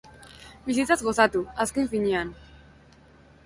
Bizitzaz gozatu, azken finean.